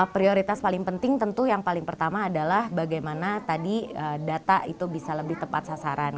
prioritas paling penting tentu yang paling pertama adalah bagaimana tadi data itu bisa lebih tepat sasaran